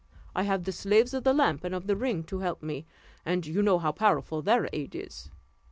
I have the slaves of the lamp and of the ring to help me, and you know how powerful their aid is.